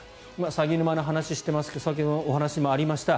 さぎぬまの話をしていますが先ほどもお話がありました